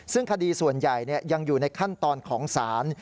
ซึ่งคดีส่วนใหญ่ยังอยู่ในขั้นตอนของศาล